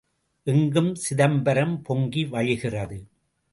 எங்கும் சிதம்பரம் பொங்கி வழிகிறது.